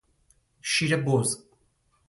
شیر بز